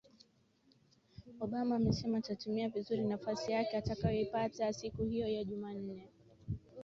obama amesema atatumia vizuri nafasi yake atakayoipata siku hiyo ya jumanne